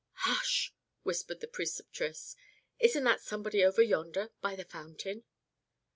"Hush!" whispered the Preceptress. "Isn't that somebody over yonder by the fountain?"